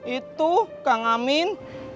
itu kang amin